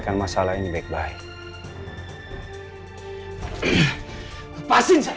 gua huru fox mijn gam